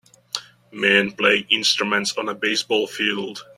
Men playing instruments on a baseball field.